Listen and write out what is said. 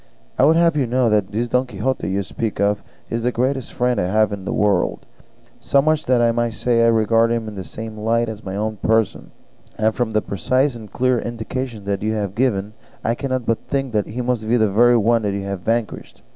I would have you know that this Don Quixote you speak of is the greatest friend I have in the world; so much so that I may say I regard him in the same light as my own person; and from the precise and clear indications you have given I cannot but think that he must be the very one you have vanquished.